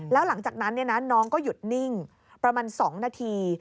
แล้วหลังจากนั้นน้องก็หยุดนิ่งประมาณ๒นาที